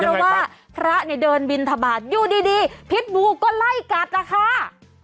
เพราะว่าพระเนี่ยเดินบินทบาทอยู่ดีพิษบูก็ไล่กัดนะคะ